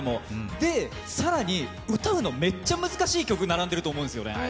で、更に歌うのめっちゃ難しい曲並んでると思うんです。